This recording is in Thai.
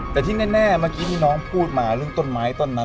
แต่ที่แน่เมื่อกี้ที่น้องพูดมาเรื่องต้นไม้ต้นนั้น